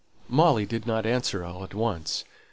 Molly did not answer all at once.